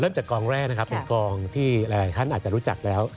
จากกองแรกนะครับเป็นกองที่หลายท่านอาจจะรู้จักแล้ว